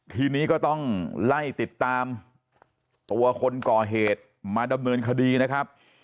ทีนี้ก็ต้องไล่ติดตามตัวคนก่อเหตุมาดำเนินคดีนะครับ